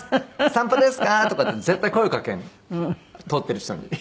散歩ですか？」とかって絶対声をかけるの通っている人に。